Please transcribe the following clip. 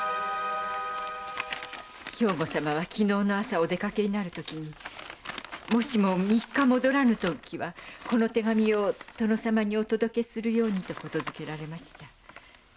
兵庫様は昨日の朝お出かけになるときにもしも三日戻らぬときはこの手紙を殿様にお届けするようにと言付けられました。